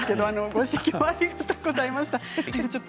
ご指摘ありがとうございました。